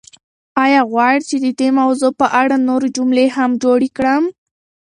ایا غواړئ چې د دې موضوع په اړه نورې جملې هم جوړې کړم؟